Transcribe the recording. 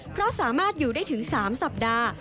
เพราะสามารถอยู่ได้ถึง๓สัปดาห์